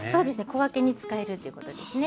小分けに使えるということですね。